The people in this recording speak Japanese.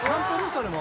それも。